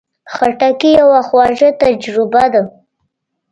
خټکی یوه خواږه تجربه ده.